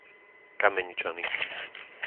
Kameničany